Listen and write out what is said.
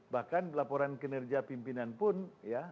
bahkan laporan kinerja pimpinan pun ya